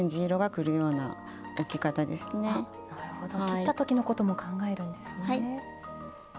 切った時のことも考えるんですね。